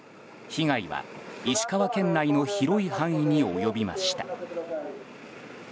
被害は石川県内の広い範囲に及びました。